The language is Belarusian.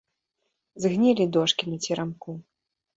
Згнілі дошкі на церамку.